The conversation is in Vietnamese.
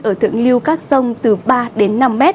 ở thượng lưu các sông từ ba đến năm m